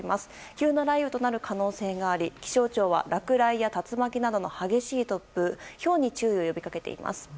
急な雷雨となる可能性があり気象庁は落雷や竜巻などの激しい突風ひょうに注意を呼び掛けています。